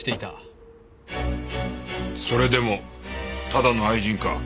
それでもただの愛人か？